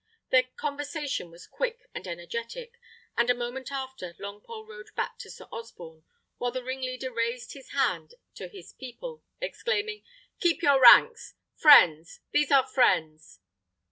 Their conversation was quick and energetic; and a moment after, Longpole rode back to Sir Osborne, while the ringleader raised his hand to his people, exclaiming, "Keep your ranks! Friends! These are friends!"